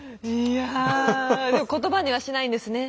いやでも言葉にはしないんですね。